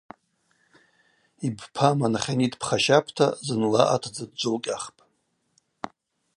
Йбпам анахьани дпхащапӏта Зынла атдзы дджвылкъьахпӏ.